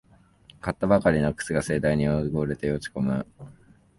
買ったばかりの靴が盛大に汚れて落ちこむ